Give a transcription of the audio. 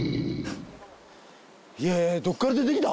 いやいやどっから出てきた？